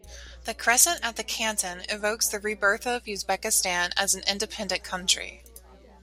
The crescent at the canton evokes "the rebirth of" Uzbekistan as an "independent" country.